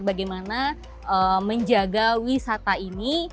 bagaimana menjaga wisata ini